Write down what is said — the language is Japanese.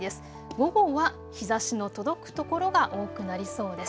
午後は日差しの届く所が多くなりそうです。